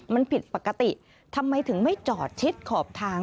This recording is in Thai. มันผิดปกติทำไมถึงไม่จอดชิดขอบทาง